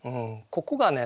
ここがね